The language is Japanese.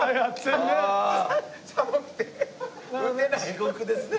地獄ですね。